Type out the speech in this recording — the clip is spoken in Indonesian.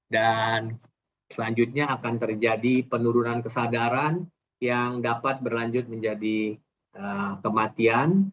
dan selanjutnya akan terjadi penurunan kesadaran yang dapat berlanjut menjadi kematian